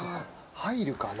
入るかな？